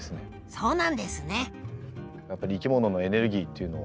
そうなんですね。